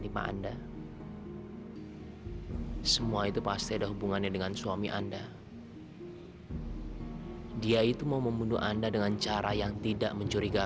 ketangan putri saya clio